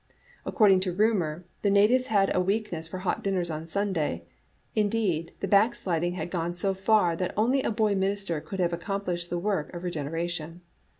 * According to rumor, the natives had a weakness for hot dinners on Sunday ; in deed, the backsliding had gone so far that only a boy minister could have accomplished the work of regener ation.